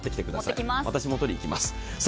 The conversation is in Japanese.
私も取りに行きます。